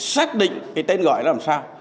xác định cái tên gọi là làm sao